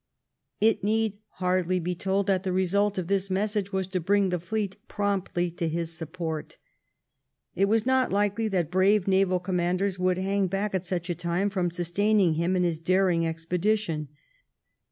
It need hardly be told that the result of this message was to bring the fleet promptly to his support. It was not likely that brave naval commanders would hang back at such a time from sustaining him in his daring expedition.